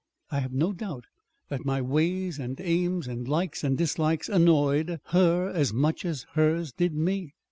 I have no doubt that my ways and aims and likes and dislikes annoyed her as much as hers did me.